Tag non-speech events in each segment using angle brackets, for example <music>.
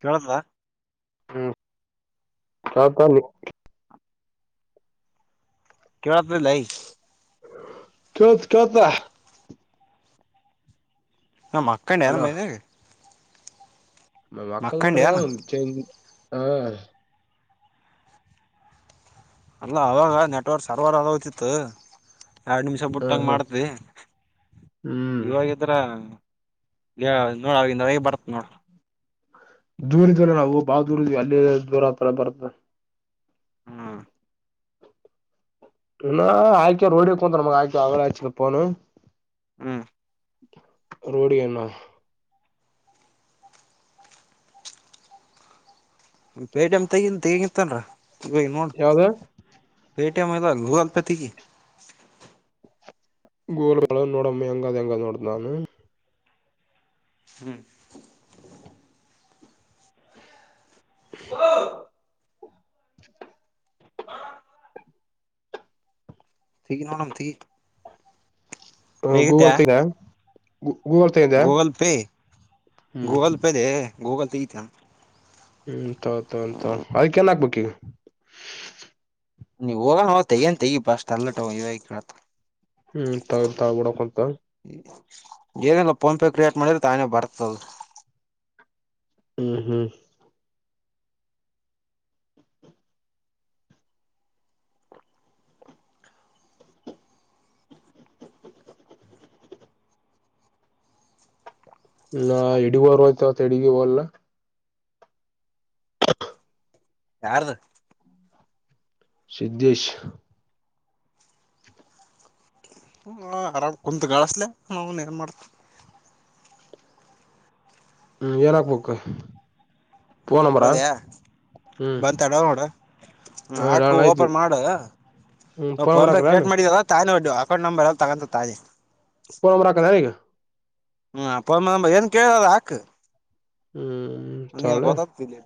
ಕೇಳತ್ತದ ಹ ತ ನೀ ಕೆಳತದ ಇಲ್ಲೈ ಕೆಳತ್ತ ಕೆಳತ್ತ ನಮಕ್ಕೈ ನೇರ ಮೈದಾಗ ಮ ಮಕ್ಕಳ ಬಿಟ್ರ ಏನ ಆದ ಚೆಂಜ ಅಲ್ಲ ಅವಾಗ ನೆಟ್ವರ್ಕ್ ಸರ್ವರ್ ಆಗೋ್ತಿತ್ತು ಎರಡು ನಿಮಿಷ ಬಿಟ್ಟಂಗ ಹಾ ಮಾಡ್ತಿದಿ ಹ್ಮ್ ಇವಾಗಿದ್ರ ಇ ನೋಡ ಅವಗಿಂದ ಅವಗೆ ಬರತ್ ನೋಡ ದೂರ ಇದ್ವಲ್ಲ ನಾವು ಬಾಳ ದೂರ ಇದ್ವಿ ಅಲ್ಲಿ ದೂರ ಆತ ಬರ್ತ ಹ್ಮ್ ಇಲ್ಲಾ ಆಯಾಕ ರೋಡಿಗಿ ಕುಂದ್ರು ಮಗ ಆಯಾ ಆಗಳೆ ಹಚ್ಚಿದ್ದ ಫೋನು ಹ್ಮ ರೋಢಿಯನ್ನ ಪೇಟಮ್ ತಗಿಂತ ಹೇಂಗಿತ್ತನ್ರ ಇವ ನೋಡ್ ಯಾವ್ದ ಪೇಟಿಯಮ್ ಅಲ್ಲ ಗೂಗಲ್ ಪೇ ತಗಿ ಗೋಲುಗಳನ್ನ ನೋಡಮ್ಮ ಹೆಂಗಾದ್ ಹೆಂಗ ನೋಡತಾನು ಹು <unintelligible> ವೊ ತಿಗಿ ನೋಡಮ್ ತೆಗಿ ಹ ತೆಗಿತ್ಯಾ ಗೂವರ್ತಿನ ಗೂ ಗೂಗಲ್ ಪೇ ಹ್ಮ್ ಗೂಗಲ್ ಪೇ ಲೇ ಗೂಗಲ್ ತಗಿತನು ಹ್ಮಂತೌ ತ ಉಂತ ಅದ ಕೆನ್ ಹಾಕ್ಬೇಕಿ ನೀವ ಹೋಗಣ ನ ತಗಏನ್ ತೆಗಿ ಬಾ ಅಷ್ಟ ಅಲ್ಲಟ ಇವ ಕತ ಹ್ಮ್ ತಾವ ತಳಬಡ ಕೊತ ಏನೆಲ್ಲ ಫೋನ್ಪೇ ಕ್ರಿಯೇಟ್ ಮಾಡ್ರಿದ ತಾನೆ ಬರ್ತದ ಹು ಹು <unintelligible> ನ ಹಡಿಗಾರ ಆಯ್ತ ಹೆಡಗಿ ಅಲ್ಲ ಯಾರ್ದ ಸಿದ್ದೇಶ್ ಹುಂ ಆರಾಮ್ ಕುಂತ್ ಗಳಿಸ್ಲೆ ನೌನ್ ಏನ್ ಮಾಡ್ತಿ. ಹ್ಮ್ ಏನಾಕ್ಬೇಕ ಫೋನ್ ನಂಬರಾ ಹೌದ್ಯಾ ಹುಂ ಹೂಂ ಹಾಕು ಓಪನ್ ಮಾಡ ಹ್ಮ್ ಫೋನ್ ಫೋನ್ಪೇ ಬರಾಕಲ್ಲ ಕ್ರಿಯೇಟ್ ಮಾಡಿಯಲ್ಲ ತಾನೇ ಒ ಅಕೌಂಟ್ ನಂಬರ್ ತಗಂತದ್ ಆದೆ ಫೋನ್ ನಂಬರಾಕನಾ ಈಗ ಹ್ಮ ಫೋನನಂಬ ಏನ್ ಕೇಳ್ದದ ಹಾಕ ಹ್ಮ್ ಅವನಿಗೇನ ತಾಳೆ ಗೊತ್ತಾತದ ಇಲ್ಲಿ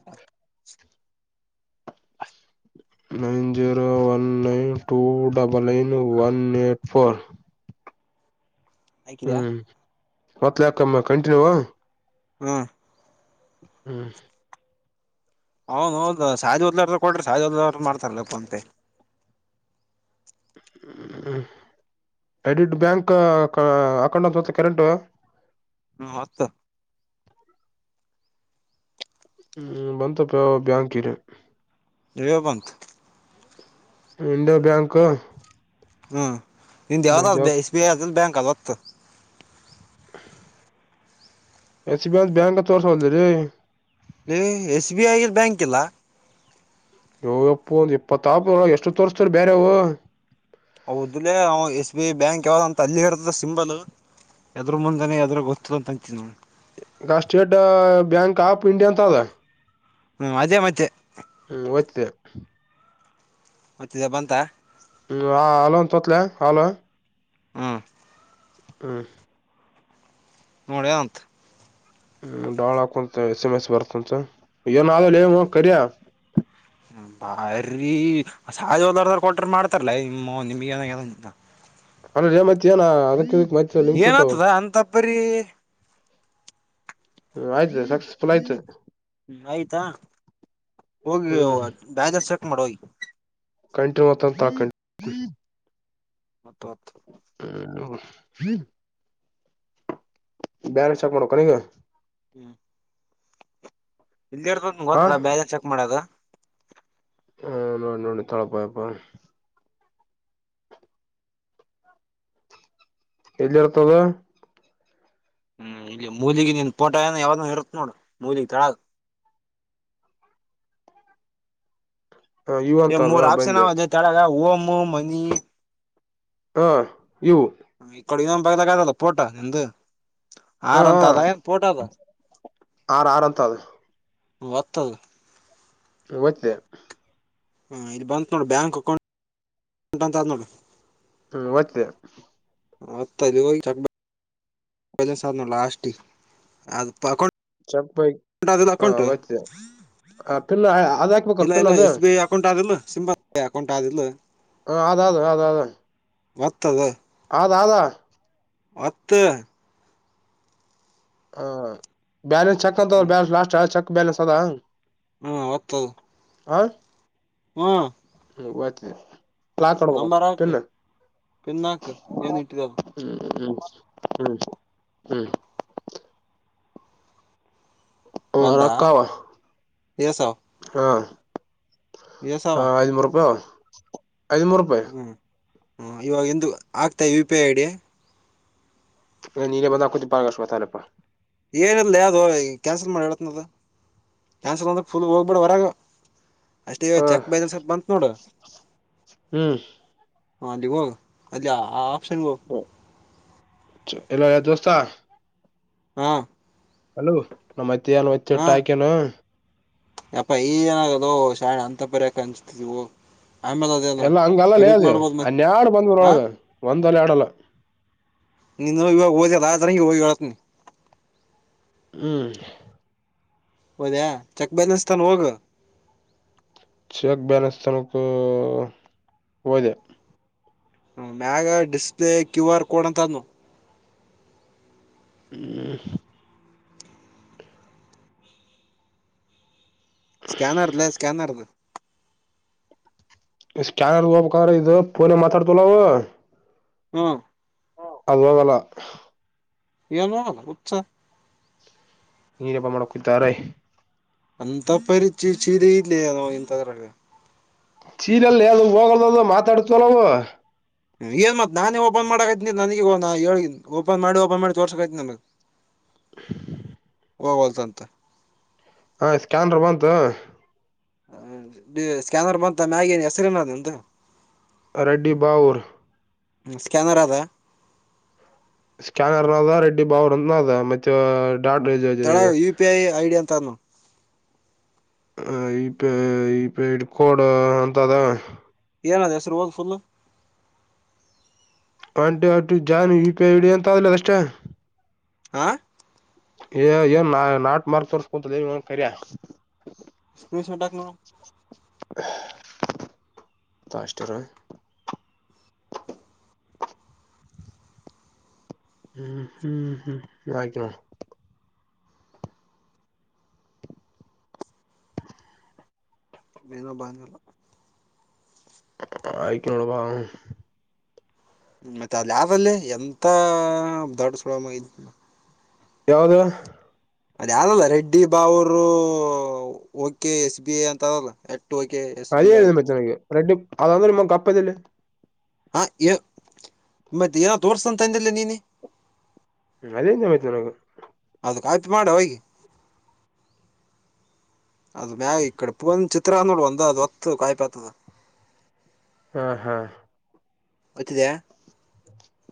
<inaudible> nine zero one nine two double nine one eight four. ಹಾಕಿದ್ಯಾ ಒತ್ತಲ್ಯಾ ಕಮ್ ಕಂಟಿನ್ಯೂ ಹ್ಮ್ ಹ್ಮ್ <unintelligible> <inaudible> ಹ್ಮ್ ಹ್ಮ್ ಎಡಿಟ್ ಬ್ಯಾಂಕ್ ಅಕೌಂಟ್ ಅಂತ ಒತ್ತೆ ಕರೆಕ್ಟು ಹ್ಮ ಒತ್ತ ಹ್ಮ್ ಬಂತಪ್ಪ ಬ್ಯಾಂಕಿರೆ <unintelligible> ಇಂಡ್ಯೋ ಬ್ಯಾಂಕ್ ಹ್ಮ್ ನಿಂದ ಮಜ ಯಾವ್ದಾದ ಎಸ್ ಬಿ ಐ ಅದನ್ ಬ್ಯಾಂಕ್ ಅದ ಒತ್ತು ಎಸ್ ಬಿ ಐ ದ ಬ್ಯಾಂಕ ತೋರ್ಸ್ ವಲ್ಲ್ದಲೇ ಲೇ ಎಸ್ ಬಿ ಐ ದ್ ಬ್ಯಾಂಕಿಲ್ಲಾ ಯ್ಯೋ ಯಪ್ಪೋ ಒಂದ್ ಇಪ್ಪತ್ತ ಆಪ ಎಷ್ಟು ತೋರ್ಸ್ತರಿ ಬೇರೆವು ಹೌದ್ಲೆೇ ಅವ ಎಸ್ ಬಿ ಐ ಬ್ಯಾಂಕ್ ಯಾವ್ದ ಅಂತ ಅಲ್ಲೇ ಇರ್ತದ ಸಿಂಬಲ್ ಎದ್ರು ಮುಂದೆನೆ ಯದ್ರ ಗೊತ್ತಿಲ್ಲ ಅಂತ ಅಂತೀ ನೋಡ ಈಗ ಸ್ಟೇಟ್ ಬ್ಯಾಂಕ್ ಆಫ್ ಇಂಡಿಯಾ ಅಂತ ಅದ ಹ್ಮ್ ಅದೇ ಮತ್ತೆ ಹ್ಮ ಒತ್ತಿದ್ಯಾ ಒತ್ತಿದ್ಯಾ ಬಂತ ಹ್ಮ ಹಾ ಹಲೋಂತ ಒತ್ಲ್ಯಾ ಹಲೋ ಹ್ಮ ಹ್ಮ ನೋಡೆಂತ್ ಹ್ಮ ಡೋಳ ಕುಂತ ಎಸ್ ಎಮ್ ಎಸ್ ಬರ್ತಂತ ಏನ ಆದಲ್ಲೆ ಇವ ಕರಿಯ ಬಾರಿ ಆ ಸಾದೇವ್ನವರಿಗೆ ಕೊಟ್ರ ಮಾಡ್ತಾರ್ಲೆ ನಿಮೌನ್ ನಿಮಗೇನಾಗಿದೆ ಅಂತ ಅಲ್ಲಲೇ ಮತ್ತೇನ ಅದಕ್ಕೆ ಏನ ಆತದ ಅಂತಾಪ್ಪರಿ ಹೂಂ ಆಯ್ತ ಸಕ್ಸಸ್ಫುಲ್ ಆಯ್ತ ಹ್ಮ ಆಯ್ತಾ ಹೋಗಿ ಹ್ಮ್ ಬ್ಯಾಲೆನ್ಸ್ ಚೆಕ್ ಮಾಡ ಹೋಗಿ ಕಂಟಿನ್ಯೂ ವತ್ತಂತ ಹಾಕಂಡ್ ಒತ್ತ್ ಒತ್ <unintelligible> ಬ್ಯಾಲೆನ್ಸ್ ಚೆಕ್ ಮಾಡಬೇಕೆನಿಗ <inaudible> ಇಲ್ಲಿರ್ತ ಹ ಗೊತ್ತಲ್ಲ ಬ್ಯಾಲೆನ್ಸ್ ಚೆಕ್ ಮಾಡಾದ ಹಾ ನೋಡಿ ನೋಡಿ ತಾಳಪಾಯಪ್ಪ ಎಲ್ಲಿರ್ತದ ಹ್ಮ್ ಈ ಮೂಲಿಗೆ ನೀನ್ ಪೋಟೋ ಏನ ಯಾವ್ದ ಇರುತ್ ನೋಡ ಮೂಲಿಗ್ ತೆಳಗ ಇವು ಅಂತ ಎ ಅದ ಮೂರ್ ಆಪ್ಷನ್ ಬಂದೆ ಅವೆ ಕೆಳಗ ಹೊಮ್ ಮನಿ ಹಾ ಇವು ಈ ಕಡೆ ಇನ್ನೊಂದು ಭಗದಾಗ ಅದಲ್ಲ ಪೋಟ ನಿಮ್ದ ಹ ಆರ್ ಅಂತ ಅದ ಏನ್ ಪೋಟ ಅದ ಆರ್ ಆರ್ ಅಂತ ಅದ ಹ್ಮ್ ಒತ್ ಅದು ಹು ಒತುದೆ ಹಾ ಇಲಿ ಬಂತ ನೋಡಿ ಬ್ಯಾಂಕ್ ಅಕೌಂಟ್ ಅಂತ ಅದ್ ನೋಡು ಹ್ಮ್ ಒತುದೆ ಹತ್ತದು ಚಕ್ಬ <unintelligible> ಪ್ರಜ ಸಾಧನ ಲಾಸ್ ಅದು ಪಕೊಂಡ <unintelligible> ಚೆಕ್ ಬೈಕ್ ಅಕೌಂಟ್ ಆದಿಲ್ಲ ಹ ಅಕೌಂಟ್ ಒತ್ತಿದೆ ಪಿನ್ ಅದ ಹಾಕ್ಬೇಕಲ್ ಇಲ್ಲ ಪಿನ್ ಇಲ್ಲ ಅದು ಎಸ್ ಬಿ ಐ ಅಕೌಂಟ್ ಆದಿಲ್ಲ ಎಸ್ ಬಿ ಐ ಅಕೌಂಟ್ ಯಾವ್ದು ಇಲ್ಲೋ ಹ ಅದ ಅದು ಅದ ಅದ ಒತ್ ಅದ ಅದ್ ಅದ ಓತ್ತು ಹ ಬ್ಯಾಲೆನ್ಸ್ ಚೆಕ್ ಅಂತ ಬ್ಯಾಲ ಲಾಸ್ಟ್ ಚಕ್ ಬ್ಯಾಲೆನ್ಸ್ ಅದ ಹ್ಮ್ ಒತದು ಆ ಹ್ಮ ಹ್ಮ ಒತುದೆ ಲಾಕ್ ಕೋಡ್ಬೇಕು ನಂಬರ್ ಹಾಕ್ ಪಿನ್ ಪಿನ್ ಹಾಕ್ ಏನ್ ಹ್ಮ ಇಟ್ಟಿದವ ಹ್ಮ ಹ್ಮ್ ಹ್ಮ್ ಹ್ಮ್ ಬಂದ ರೋಕ್ಕಾವ ಏಸಾವ್ ಹಾ ಏಸಾವ ಹ ಐದನೂರು ರೂಪಾಯ ಐದನೂರು ರೂಪಾಯಿ ಹ ಇವಾಗ ಇಂದು ಆಗ್ತಾ ಯು ಪಿ ಐ ಐಡಿ ನೀರೆೇ ಬಂದಾ ಕುು ಪಾಗಷ್ಟವಥಲ್ಲಪ್ಪ <unintelligible> ಏನಿಲ್ಲೆ ಅದು ಕ್ಯಾನ್ಸಲ್ ಮಾಡ್ ಹೇಳ್ತಿನದು ಕ್ಯಾನ್ಸಲ್ ಅಂದ್ರ ಫುಲ್ ಹೋಗ್ಬೇಡ ಹೊರಗೆ ಅಷ್ಟ ಈಗ ಹ ಚೆಕ್ ಬ್ಯಾಲೆನ್ಸ್ ಅಂತ ಬಂತ್ ನೋಡು ಹ್ಮ್ ಹ ಅಲ್ಲಿಗೋಗು ಅಲ್ಲಿ ಆ ಆಪ್ಷನ್ ಗೋಗು ಎಲ್ಲೋ ಯಾವ್ದ್ ದೋಸ್ತಾ ಹಾ ಹಲೋ ನಮ್ಮತ್ತ ನ್ ಒತ್ತಟ್ಟ ಹಾಕೆನು <unintelligible> ಯಾಪ್ಪಾ ಈಗ್ ಏನಾಗದು ಶಳೆ ಅಂತ ಬಾರಿ ಯಾಕ್ ಆಂಜತೀದಿ ಹೋಗೋ ಎಲ್ಲ ಹಂಗಲ್ಲಲೇ ಅದು ಅನ್ಯಾಡು ಬಂದ್ವ್ರೊಳಗ ಒಂದಲ್ಲ ಎಡಲ್ಲ ನಿನ್ನ ಇವಾಗ ಹಓದಲ್ಲ ಆ ಜನಂಗಿ ಹೋಗಿ ಹೇಳ್ತೀನಿ ಹ್ಮ್ ಹೋದ್ಯಾ ಚೆಕ್ ಬ್ಯಾಲೆನ್ಸ್ ತಾನ ಹೋಗು ಚೆಕ್ ಬ್ಯಾಲೆನ್ಸ್ ತನಕ ಹೋದೆ ಹ್ಮ್ ಮ್ಯಾಗ ಡಿಸ್ಪ್ಲೇ ಕ್ಯೂ ಆರ್ ಕೋಡ್ ಅಂತ ಅದ್ ನೋಡ್ ಹ್ಮ್ ಸ್ಕ್ಯಾನ್ನೆರ್ದ್ ಲೇ ಸ್ಕ್ಯಾನ್ನ್ರರ್ದು ಸ್ಕ್ಯಾನರ್ಗೊಗ್ಬೇಕು ಅಂದ್ರೆ ಇದು ಫೋನ್ ಅಲ್ಲಿ ಮಾತಾಡ್ತಿವಲ ನಾವು ಹ್ಮ್ ಅದೋಗಲ್ಲ ಯನು ಉಸ <unintelligible> ನೀನಪ್ಪಾ ಮಾಡ ಕತಾರೆ <unintelligible> ಅಂತ ಪರಿಚಯ ಚೀದ ಇಲಿ ಅ ನಾವ ಇಂತವರಾಗ. ಚೀರೆಲ್ಲಿ ಅದ್ ಯಾವ್ದ ಹೋಗಲ್ದು ಮಾತಾಡ್ತಲವು ಏನ್ ಮತ್ ನಾನೇ ಓಪನ್ ಮಾಡಕತೀನಿ ನನಗ ಹೇಳಿ ಓಪನ್ ಮಾಡಿ ಓಪನ್ ಮಾಡಿ ತೋರ್ಸಕೈತಿ ನನಗೆ. <inaudible> <inaudible> ಹೋ ಹೂಲ್ತಂತ ಹಾ ಸ್ಕ್ಯಾನರ್ ಬಂತು ಹ ಸ್ಕ್ಯಾನರ್ ಬಂತ ಮ್ಯಾಗಿನ್ ಹೆಸರಿನ ಅದು ನಿಂದು ರೆಡ್ಡಿ ಬಾವೂರ್ ಹ್ಮ್ ಸ್ಕ್ಯನರ್ ಆದಾ ಸ್ಕ್ಯಾನರ್ನ ಅದ ರೆಡ್ಡಿ ಬಾವರ್ ಅಂತನ ಅದ ಮತ್ತೆ ಡಾಟ್ ದ್ ದ್ ತೆಳಗ ದ್ U P I I D ಅಂತ ಅದ್ ನೋಡ್ ಹ ಈ ಪ ಈ ಪೇಡ್ ಕೋಡ್ ಅಂತ ಅದವೆ ಏನ ದ ಹೆಸರ್ರುವೋದು ಫುಲು ಒನ್ ಟೆಂಟಿ ಜಾನ್ ವಿಪಿಐ ಇಡಿ ಅಂತ ಅದ್ಲೇ ಅದ ಅಷ್ಟೇ ಆ ಎ ಎಏ ನಾಟ ಮಾರ್ಗ ತೋರ್ಸು ತದೆ ನಿಮ್ಮೊನು ಕರಿಯ ಸ್ಕ್ರೀನ್ ಶಾಟ್ ಆಕು ನೋಡುಮು ಮತ್ತೆ ಅಷ್ಟೇ ಇರು ಹ್ಮ್ ಹ್ಮ್ ಆಕಿನ್ ನೋಡು <inaudible> ಇನ್ನ ಬಂದಿಲ್ಲ ಆಕಿನ್ ನೋಡು ಪಾ ಹೂ <unintelligible> ಮತ್ತ ಅಲ್ಲಿ ಆದ್ ಅಲ್ಲ ಲೇ ಎಂತ ದಡ್ಡ ಸೂಳೆ <unintelligible> ಮಗ ಇದ್ದಿ ಯಾವ್ದ ಅದ ಯಾವ್ದಲ್ಲ ರೆಡ್ಡಿ ಬಾವರು ಓಕೆ ಎಸ್ ಬಿ ಅಂತ ಅದಲ್ಲ ಓಕೆ ಎಸ್ ಅರಿ ಬಿ ಐ <unintelligible> ಪ್ರಚನೆಗೆ ರೆಡ್ ಅ ರ ಕಪ್ಪದಿಲ್ಲ ಹಾ ಯ ಮತ್ತೆ ಏನ ತೋರ್ಸ್ಂತ ಅಂದಿಲ್ಲ ನೀನೇ ಹ್ಮ ಅದೇ ಅಂದ್ನಾ ಮತ್ ನಾನು ಕಾಪಿ ಮಾಡ ಹೋಗಿ ಅದು ಮ್ಯಾಗ ಈ ಕಡೆ ಫೋನ್ ಅಚ್ಚ ಇತ್ರಾ ನೋಡು ಒಂದ ಅದು ಹೊತ್ತು ಕಾಯ್ಪಾತದ ಹಾ ಹಾ ಒತ್ತಿದ್ಯಾ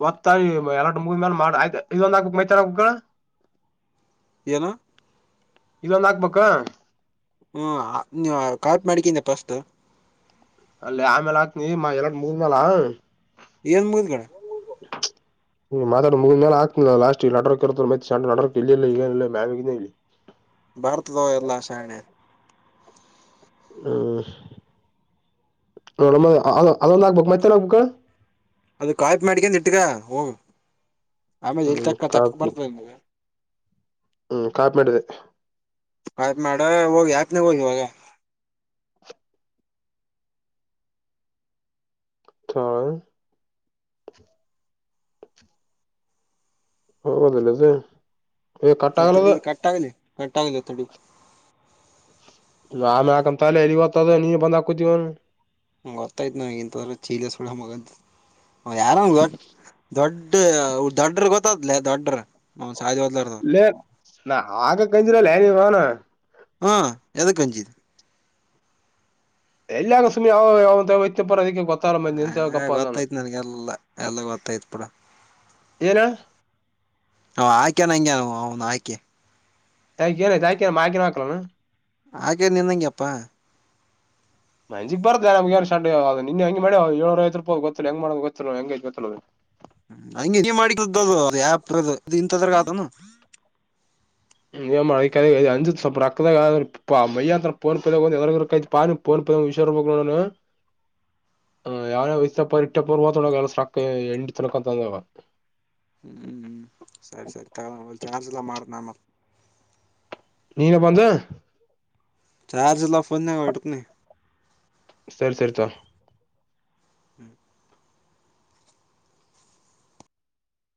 ಒತ್ತಾಯ ಎಲ್ಲಟು ಮುಗದ ಮ್ಯಾಲ್ ಮಾಡ ಆಯ್ತ ಇದೊಂದ ಆಕಬೇಕು ಮೈತಾನ ಹಾಕಬೇಕು ಏನು ಇದೊಂದ ಹಾಕ್ಬೇಕ ಹ್ಮ್ ಕಾಫಿ ಮಾಡ್ಕೊಂಡ್ಯ ಫಸ್ಟ್ ಅಲ್ಲಿ ಅಮೆಲಿ ಆಕ್ತಿನಿ ಎಲ್ಲಾಟು ಮುಗದ ಮೇಲ್ ಎನು ಮುಗದ ಮ್ಯಾಗ್ದಗಳೇ ನೀ ಮಾತಾಡೋದು ಮುಗದ ಮ್ಯಾಗ ಆಕ್ತಿನಿ ಲಾಸ್ಟಿಗಿ ನೆಟ್ವರ್ಕ್ ಇರುದಿಲ್ಲ ಮತ್ತೆ ನೆಟ್ವರ್ಕ್ ಎಲ್ಲಿ ಇಲ್ಲ ಇಲ್ಲಿ ಮ್ಯಾಗ ಇಲ್ಲ ಇಲ್ಲಿ ಬರ್ತದೋ ಎಲ್ಲ ಶಾಣೆ ಹ್ಮ ನೋಡುಮು ಅದೊಂದು ಆಕ್ಬೇಕು ಮತ್ತೇನ್ ಆಕಬೇಕು ಅದು ಕಾಫಿ ಮಾಡ್ಕೊಂಡು ಇಟಗೋ ಹೋಗು ಆಮೇಲೆ ಇಲ್ಲಿ ತಕ್ಕ ತಕ್ಕ ಬರ್ತದ ನಿಮಗ ಹೂ ಕಾಫೀ ಮಾಡಿದ್ಯಾ ಆಯಿತು ಮಾಡು ಹೋಗಿ ಹ್ಯಾಪ ನ್ಯಾಗ ಹೋಗ್ ಇವಾಗ ತೊ ಹೌದಲ್ಲ ಇದು ಏ ಕಟ್ ತಡಿ ತಡಿ ಆಗಲ್ಲದ ಇದು ಕಟ್ಟಾಗಲಿ ಕಟ್ಟಾಗಲಿ ತಡಿ ಲೋ <unintelligible> ಹಾಕೋಮಾ ತಗೋ ಲೇ ಎಲ್ಲಿಗಿ ಹೋಗ್ತದ ಈಗ ಬಂದು ಆಕೋತೀವಿ ಗೊತ್ತಾಯ್ತು ನನಗ ಇಂತದೆಲ್ಲ ಚಿಲೇ ಸೂಳೆ ಮಗ ಅಂತ. ಯಾರೊ ದೊಡ್ಡ ದೊಡ್ಡ್ರ ದಡ್ಡರಿಗೆ ಗೊತ್ತಾಗುತ್ತೆ ಲೇ ದಡ್ಡರು. ಲೇ ನಾ ಆಕಕತ್ತೀನಿ ಲೇ ನಿನ್ನೋನು. ಹ್ಮ ಎದಕ ಅಂಜಿದೀ. <unintelligible> ಅಂತ ಹ ಹೇಳಕಪ್ಪ ನಾನು ಗೊತ್ತಾಯ್ತ್ ನನ್ಗೆಲ್ಲ ಎಲ್ಲ ಗೊತ್ತಾಯ್ತ್ ಬಿಡು. ಏನ. ಅವ ಅಕ್ಯನ ಅಂಗೇ ಅವನೌನ್ ಆಕ್ಯ. <unintelligible> ಹಾಗೆ ನಿನ್ನಂಗೆ ಪಾ. ಅಂಜಿಕಿ ಬರ್ತಾ ಎನ್ ನಮಗೇನ್ ಸೆಂಟ ಇವಾಗ ನಿನ್ನೆ ಇಂಗೆ ಮಾಡೇ ಏಳು ನೂರಾ ಐವತ್ತು ರೂಪಾಯಿ ಹೋಯಿತು ಗೊತ್ತನು ಎಂಗ್ ಮಾಡಬೇಕು ಗೊತ್ತನು ಎಂಗ್ ಆಯಿತು ಗೊತ್ತನು. ಅಂಗೇ ಮಾಡುತ್ತ ಅದು ಆಪ್ ಇರೋದು ಇಂಥದ್ರಾಗ ಅದ ಅನು. ಎನ್ ಅಂಗೇ ಅಂಜಿಕಿ ಸ್ವಲ್ಪ ರೊಕ್ಕದಾಗ ಮೈಯ ಅಂತನ ಫೋನ್ ನ್ಯಾಗ ಪಾನ್ ನ್ಯಾಗ ಫೋನ್. ವಿಷಾ <unintelligible> <unintelligible> <inaudible> ಹ ಯಾವಾರ ವಯ್ ಪರೀಕ್ಷೆ ಪೂರ್ವ ಒ ಎಸಕ ಎಂಡ ತನಕ ಅಂತ ಅಂದವ <unintelligible> ಹ್ಮ್ ಹ್ಮ್ ಹ್ಮ್ ಸರಿ ಸರಿ ತಗ ಚಾರ್ಜ್ ಇಲ್ಲ ಮಾಡ್ತಿನಿ ಆಮೇಲೆ ನೀನ ಬಂದ ಚಾರ್ಜ ಇಲ್ಲ ಫೊನಿನಾಗ ಇಡ್ತಿನಿ ಸರಿ ಸರಿ ತಗ ಹ್ಮ್